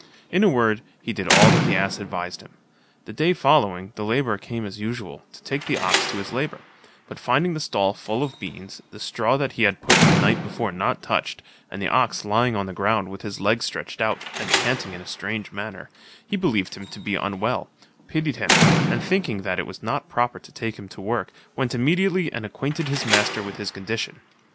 In a word, he did all that the ass had advised him. The day following, the labourer came as usual, to take the ox to his labour; but finding the stall full of beans, the straw that he had put in the night before not touched, and the ox lying on the ground with his legs stretched out, and panting in a strange manner, he believed him to be unwell, pitied him, and thinking that it was not proper to take him to work, went immediately and acquainted his master with his condition.